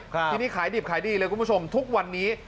ทีนี้ขายดิบขายดีเลยคุณผู้ชมทุกวันนี้